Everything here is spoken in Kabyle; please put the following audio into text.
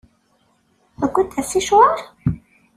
Tewwiḍ-d asicwaṛ?